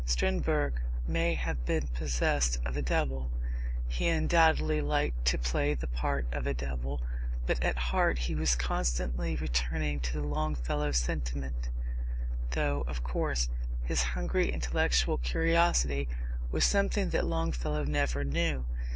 Strindberg may have been possessed of a devil; he undoubtedly liked to play the part of a devil; but at heart he was constantly returning to the Longfellow sentiment, though, of course, his hungry intellectual curiosity was something that Longfellow never knew.